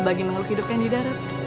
bagi makhluk hidup yang di darat